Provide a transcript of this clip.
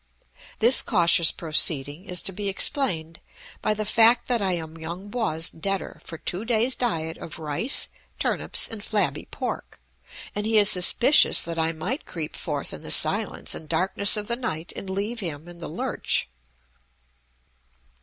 This cautious proceeding is to be explained by the fact that I am Yung Po's debtor for two days' diet of rice, turnips, and flabby pork, and he is suspicious that I might creep forth in the silence and darkness of the night and leave him in the lurch.